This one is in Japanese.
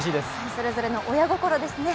それぞれの親心ですね。